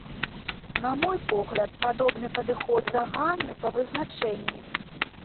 На мой погляд, падобны падыход заганны па вызначэнні.